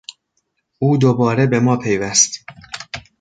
او دوباره به ماپیوست.